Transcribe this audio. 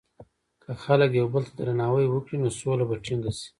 که خلک یو بل ته درناوی وکړي، نو سوله به ټینګه شي.